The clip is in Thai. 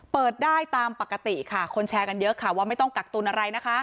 เปิดได้ตามปกติค่ะคนแชร์กันเยอะค่ะว่าไม่ต้องกักตุนอะไรนะคะ